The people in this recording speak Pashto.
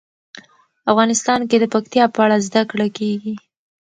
افغانستان کې د پکتیا په اړه زده کړه کېږي.